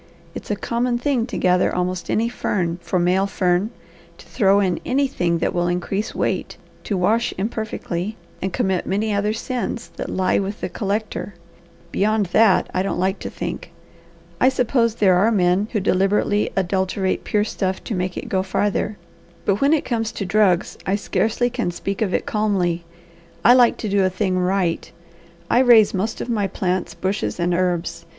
It's a common thing to gather almost any fern for male fern; to throw in anything that will increase weight, to wash imperfectly, and commit many other sins that lie with the collector; beyond that I don't like to think. I suppose there are men who deliberately adulterate pure stuff to make it go farther, but when it comes to drugs, I scarcely can speak of it calmly. I like to do a thing right. I raise most of my plants, bushes, and herbs.